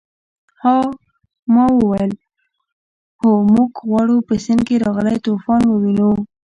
ما وویل هو موږ غواړو په سیند کې راغلی طوفان ووینو.